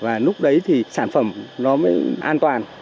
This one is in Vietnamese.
và lúc đấy thì sản phẩm nó mới an toàn